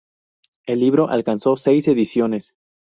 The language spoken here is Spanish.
El libro alcanzó seis ediciones.